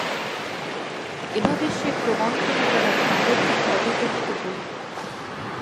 এভাবে সে প্রবঞ্চনা দ্বারা তাদেরকে অধঃপতিত করল।